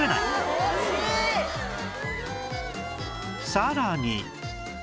さらに